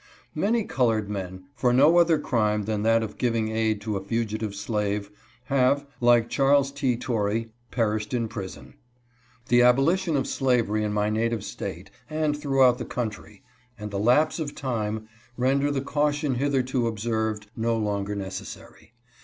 Many colored men, for no other crime than that of giving aid to a fugi tive slave, have, like Charles T. Torrey, perished in prison. The abolition of slavery in my native State and through out the country, and the lapse of time, render the caution hitherto observed no longer necessary.